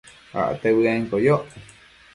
Acte bëenquio yoc